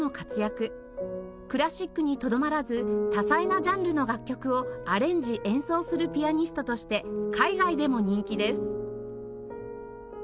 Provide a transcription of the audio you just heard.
クラシックにとどまらず多彩なジャンルの楽曲をアレンジ演奏するピアニストとして海外でも人気です